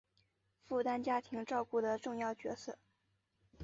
负担家庭照顾的主要角色